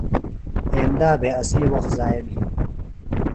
ایندا بھےۡ اسی وخت ضائع بھی۔